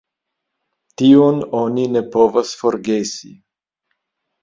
Tion oni ne povas forgesi.